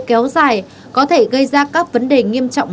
kéo dài có thể gây ra các vấn đề nghiêm trọng